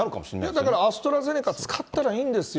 だから、アストラゼネカ使ったらいいんですよ。